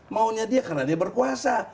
maunya dia karena dia berkuasa